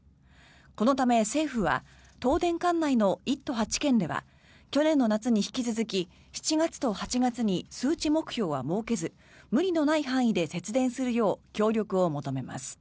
このため政府は東電管内の１都８県では去年の夏に引き続き７月と８月に数値目標は設けず無理のない範囲で節電するよう協力を求めます。